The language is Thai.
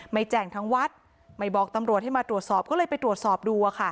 ไม่แจ้งทั้งวัดไม่บอกตำรวจให้มาตรวจสอบก็เลยไปตรวจสอบดู